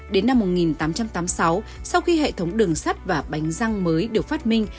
đến năm một nghìn tám trăm tám mươi sáu sau khi hệ thống đường sắt và bánh răng mới được phát minh